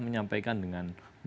masyarakat untuk mengontrolnya adalah